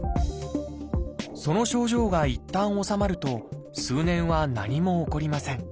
その症状がいったん治まると数年は何も起こりません。